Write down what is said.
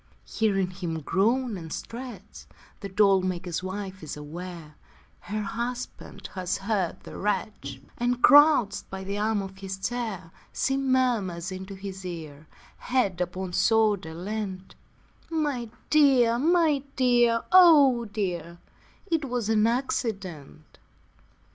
Hearing him groan and stretch The doll maker's wife is aware Her husband has heard the wretch, And crouched by the arm of his chair, She murmurs into his ear, Head upon shoulder leant: 'My dear, my dear, oh dear, It was an accident.'